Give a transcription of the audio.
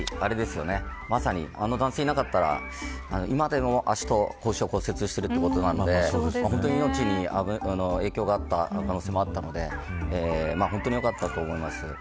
あの男性がいなかったら今でも足と腰を骨折しているということなので本当に命に影響があった可能性もあったので本当によかったと思います。